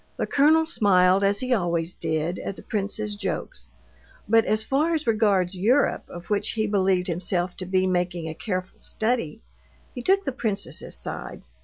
The colonel smiled, as he always did, at the prince's jokes, but as far as regards Europe, of which he believed himself to be making a careful study, he took the princess's side.